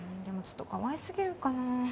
でもちょっとかわいすぎるかな？